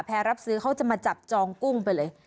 รับซื้อเขาจะมาจับจองกุ้งไปเลย